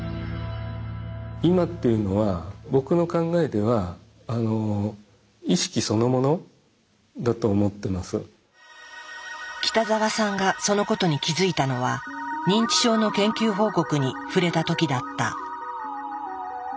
僕の考えでは北澤さんがそのことに気付いたのは認知症の研究報告に触れた時だった。